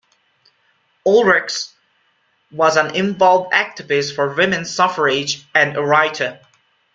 Oelrichs was an involved activist for women's suffrage and a writer.